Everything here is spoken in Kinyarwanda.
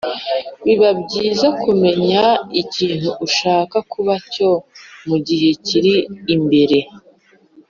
biba byiza kumenya ikintu ushaka kuba cyo mu gihe kiri imbere,